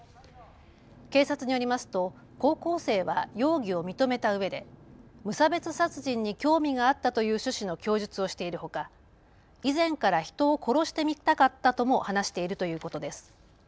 警察によりますと高校生は容疑を認めたうえで無差別殺人に興味があったという趣旨の供述をしているほか、以前から人を殺してみたかったとも話しているということです。